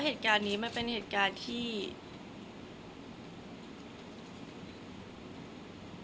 คนเราถ้าใช้ชีวิตมาจนถึงอายุขนาดนี้แล้วค่ะ